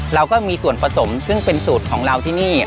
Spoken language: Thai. เราก็มีส่วนผสมซึ่งเป็นสูตรของเราที่นี่